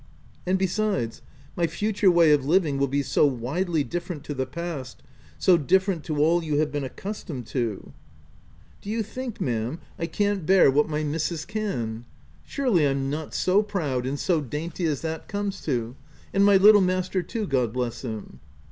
" And besides, my future way of living will be so widely different to the past — so different to all you have been accustomed to "" Do you think, mam, I can't bear what my f 3 106 THE TENANT missis can ?— surely I'm not so proud and so dainty as that comes to — and my little master too, God bless him